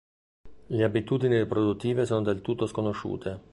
Le abitudini riproduttive sono del tutto sconosciute.